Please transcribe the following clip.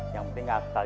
yang penting gak setel